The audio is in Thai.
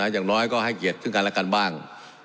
อย่างน้อยก็ให้เกียรติซึ่งกันและกันบ้าง